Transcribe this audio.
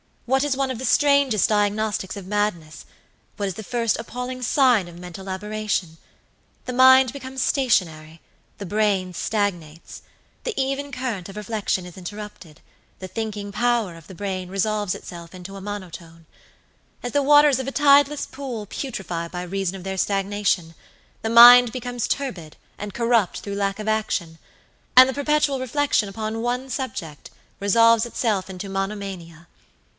"What is one of the strangest diagnostics of madnesswhat is the first appalling sign of mental aberration? The mind becomes stationary; the brain stagnates; the even current of reflection is interrupted; the thinking power of the brain resolves itself into a monotone. As the waters of a tideless pool putrefy by reason of their stagnation, the mind becomes turbid and corrupt through lack of action; and the perpetual reflection upon one subject resolves itself into monomania.